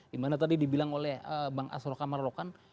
di mana tadi dibilang oleh bang asro kamar rokan